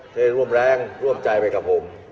ได้ร่วมแรงร่วมใจไปกับผม